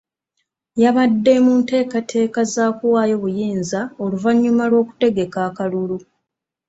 Yabadde mu nteekateeka za kuwaayo buyinza oluvannyuma lw'okutegeka akalulu.